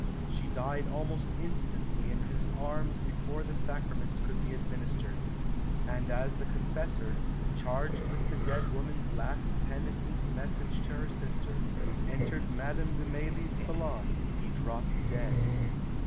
She died almost instantly in his arms before the Sacraments could be administered. And as the confessor, charged with the dead woman's last penitent message to her sister, entered Madame de Mailly's salon, he dropped dead."